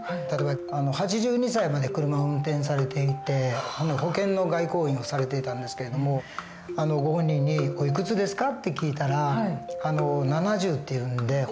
例えば８２歳まで車を運転されていて保険の外交員をされていたんですけれどもご本人に「おいくつですか？」って聞いたら７０って言うんで。